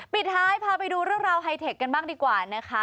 ปิดท้ายพาไปดูเรื่องราวไฮเทคกันบ้างดีกว่านะคะ